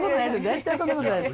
絶対そんな事ないです。